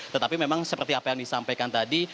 tetapi memang seperti apa yang disampaikan tadi